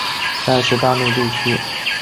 但是大陆地区以外手机号用户不受影响。